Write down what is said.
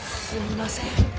すいません。